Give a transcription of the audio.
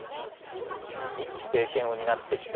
２期、政権を担ってきた